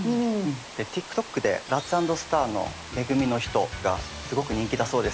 でＴｉｋＴｏｋでラッツ＆スターの「め組のひと」がすごく人気だそうです。